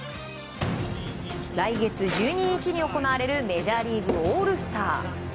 来月１２日に行われるメジャーリーグオールスター。